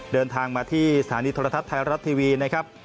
เดินทางมาที่สถานีโทรทัศน์ไทยรัฐทีวีนะครับ